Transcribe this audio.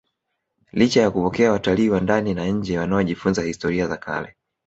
licha ya kupokea watalii wa ndani na nje wanaojifunza historia za kale